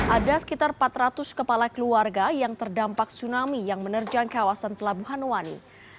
ada sekitar empat ratus kepala keluarga yang terdampak tsunami yang menerjang kawasan pelabuhan wani